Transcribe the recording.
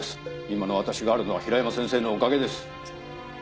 今の私があるのは平山先生のおかげです。